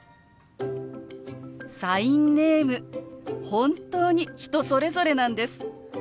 本当に人それぞれなんです。